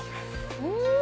うん！